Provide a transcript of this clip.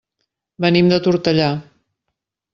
Venim de Tortellà.